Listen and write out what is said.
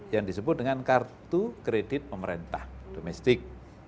yang disebut dengan kartu kredit pemerintah domestik